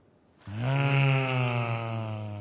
うん。